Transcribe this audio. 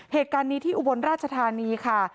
เหตุการณ์นี้ที่อุบลราชธานีค่ะ